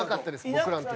僕らの時。